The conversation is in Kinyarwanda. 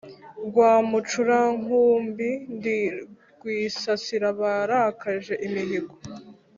Rwamucurankumbi ndi rwisasira abarakaje imihigo,